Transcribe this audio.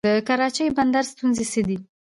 د کراچۍ بندر ستونزې څه دي؟